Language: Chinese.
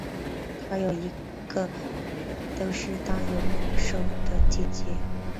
她有一个都是当泳手的姐姐。